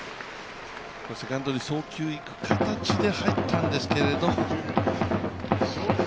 セカンドに送球いく形で入ったんですけど。